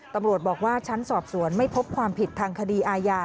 ตำรวจบอกว่าชั้นสอบสวนไม่พบความผิดทางคดีอาญา